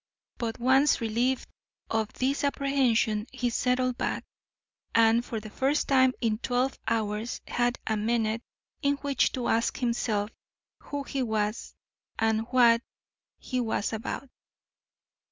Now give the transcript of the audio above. But, once relieved of this apprehension, he settled back, and for the first time in twelve hours had a minute in which to ask himself who he was, and what he was about.